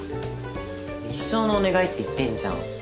一生のお願いって言ってんじゃん。